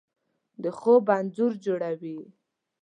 د خوب انځور جوړوي